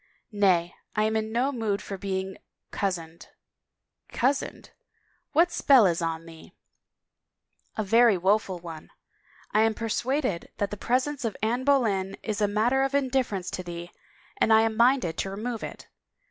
" Nay, I am in no mood for being cozened." " Cozened ? What spell is on thee ?" 15 201 THE FAVOR OF KINGS « A very woeful one. I am persuaded that the pres ence of Anne Boleyn is a matter of indifference to thee and I am minded to remove it.